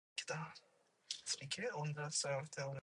Two cities above all others were associated with his myth or memory.